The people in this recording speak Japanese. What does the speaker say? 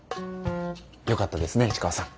よかったですね市川さん。